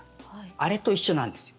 あれと一緒なんですよ。